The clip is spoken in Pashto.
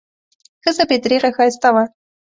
ښځه بې درېغه ښایسته وه.